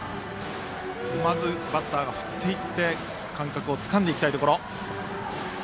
まず、バッターは振っていって感覚をつかんでいきたいところ。